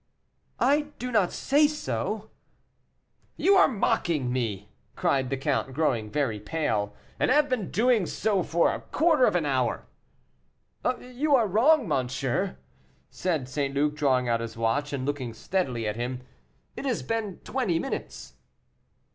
"I do not say so." "You are mocking me," cried the count, growing very pale, "and have been doing so for a quarter of an hour." "You are wrong, monsieur," said St. Luc, drawing out his watch, and looking steadily at him; "it has been twenty minutes."